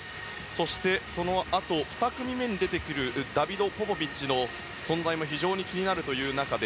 そしてそのあと２組に出てくるダビド・ポポビッチの存在も気になる中で。